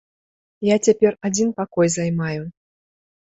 Я цяпер адзін пакой займаю.